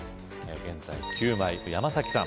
現在９枚山崎さん